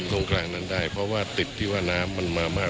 ตรงกลางนั้นได้เพราะว่าติดที่ว่าน้ำมันมามาก